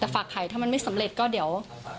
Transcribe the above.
แต่ฝากไข่ถ้ามันไม่สำเร็จก็เดี๋ยว